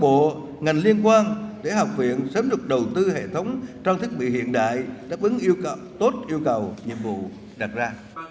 các bộ ngành liên quan để học viện sớm được đầu tư hệ thống trang thiết bị hiện đại đáp ứng tốt yêu cầu nhiệm vụ đặt ra